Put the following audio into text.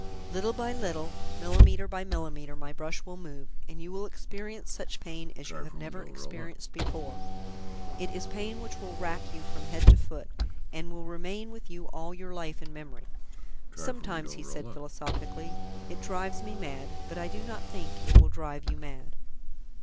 "Little by little, millimetre by millimetre my brush will move, and you will experience such pain as you have never experienced before. It is pain which will rack you from head to foot, and will remain with you all your life in memory. Sometimes," he said philosophically, "it drives me mad, but I do not think it will drive you mad."